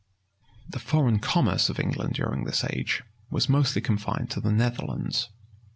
The foreign commerce of England during this age was mostly confined to the Netherlands.